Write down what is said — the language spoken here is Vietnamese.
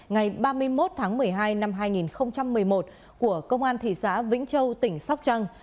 ngày ba mươi một tháng một mươi hai năm hai nghìn một mươi một của công an thị xã vĩnh châu tỉnh sóc trăng